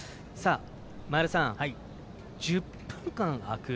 前田さん、１０分間空く。